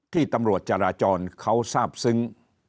ที่ตำรวจจราจรเขาทราบซึ้ง